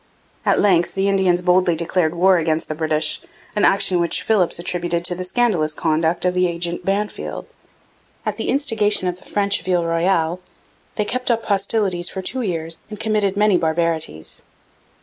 At length the Indians boldly declared war against the British, an action which Philipps attributed to the scandalous conduct of the agent Bannfield. At the instigation of the French of Ile Royale, they kept up hostilities for two years and committed many barbarities.